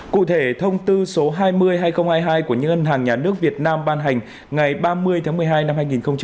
cụ thể thông tư số hai mươi hai nghìn hai mươi hai của những ngân hàng nhà nước việt nam ban hành ngày ba mươi tháng một mươi hai năm hai nghìn hai mươi ba